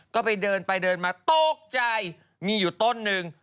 ก็ไปเดินไปเดินมาตกใจมีอยู่ต้นหนึ่ง